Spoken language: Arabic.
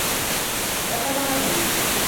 رفض عرضي.